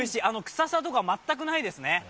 臭さとか全くないですね。